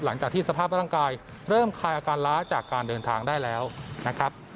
หลังจากที่สภาพร่างกายเริ่มคลายอาการล้าจากการเดินทางได้แล้วนะครับ